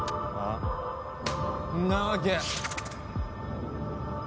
んなわけ。